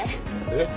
えっ？